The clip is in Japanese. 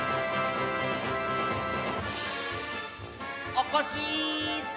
おこしっす！